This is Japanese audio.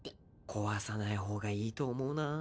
壊さない方がいいと思うなぁ。